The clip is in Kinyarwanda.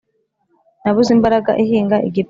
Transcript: Nabuze imbaraga ihinga igipimo